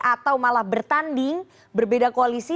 atau malah bertanding berbeda koalisi